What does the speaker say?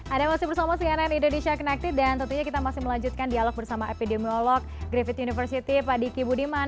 ada masih bersama cnn indonesia connected dan tentunya kita masih melanjutkan dialog bersama epidemiolog griffith university pak diki budiman